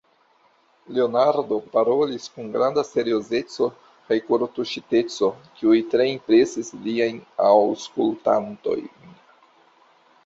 Leonardo parolis kun granda seriozeco kaj kortuŝiteco, kiuj tre impresis liajn aŭskultantojn.